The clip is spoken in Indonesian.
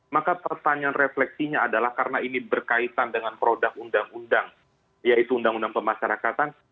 maka pertanyaan refleksinya adalah karena ini berkaitan dengan produk undang undang yaitu undang undang pemasyarakatan